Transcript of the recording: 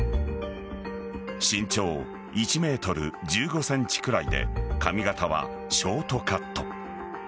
身長１ｍ１５ｃｍくらいで髪形はショートカット。